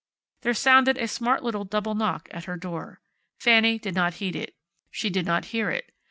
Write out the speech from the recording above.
There sounded a smart little double knock at her door. Fanny did not heed it. She did not hear it.